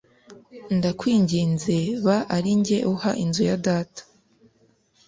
Ndakwinginze ba ari njye uha inzu ya data.